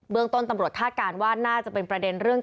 เรื่องต้นตำรวจคาดการณ์ว่าน่าจะเป็นประเด็นเรื่อง